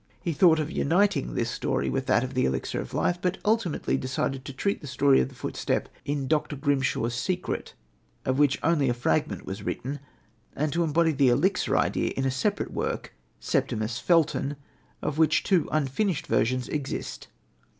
He thought of uniting this story with that of the elixir of life, but ultimately decided to treat the story of the footstep in Dr. Grimshawe's Secret, of which only a fragment was written, and to embody the elixir idea in a separate work, Septimius Felton, of which two unfinished versions exist.